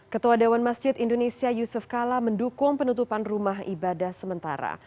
ketua dewan masjid indonesia yusuf kala mendukung penutupan rumah ibadah sementara